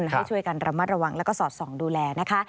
ให้ช่วยกันระมัดระวังแล้วก็สอดส่องดูแลนะคะ